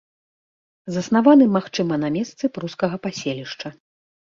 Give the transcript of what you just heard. Заснаваны, магчыма, на месцы прускага паселішча.